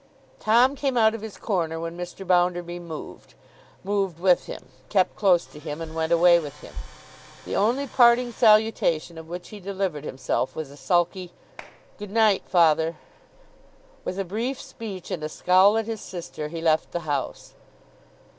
Tom came out of his corner when Mr. Bounderby moved, moved with him, kept close to him, and went away with him. The only parting salutation of which he delivered himself was a sulky 'Good night, father!' With a brief speech, and a scowl at his sister, he left the house.